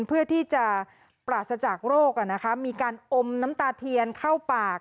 เพื่อที่จะปราศจากโรคมีการอมน้ำตาเทียนเข้าปาก